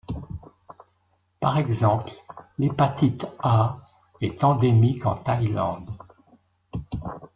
Par exemple, l'hépatite A est endémique en Thaïlande.